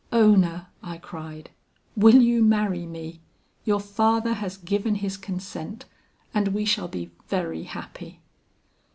"'Ona,' I cried, 'will you marry me? Your father has given his consent, and we shall be very happy.'